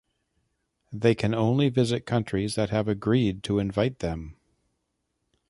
They can only visit countries that have agreed to invite them.